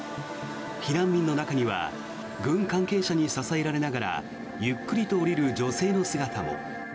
避難民の中には軍関係者に支えられながらゆっくりと降りる女性の姿も。